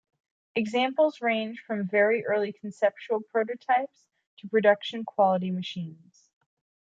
Examples range from very early conceptual prototypes to production-quality machines.